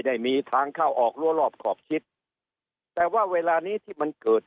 ได้มีทางเข้าออกรัวรอบขอบชิดแต่ว่าเวลานี้ที่มันเกิด